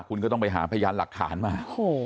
คุณก็ต้องไปหาพยานหลักฐานมา